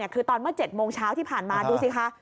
คือตอนเมื่อ๗โมงเช้าที่ผ่านมาดูสิคะ